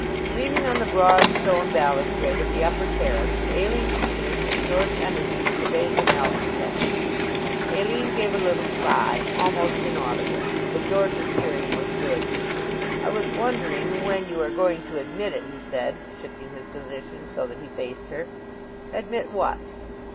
Leaning on the broad stone balustrade of the upper terrace, Aline Peters and George Emerson surveyed the malcontents. Aline gave a little sigh, almost inaudible; but George's hearing was good. "I was wondering when you are going to admit it," he said, shifting his position so that he faced her. "Admit what?"